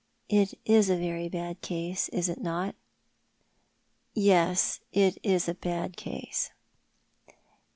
" It is a very bad case, is it not ?"" Yes, it is a bad case."